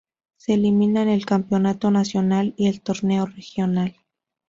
Se eliminan el Campeonato Nacional y el Torneo Regional.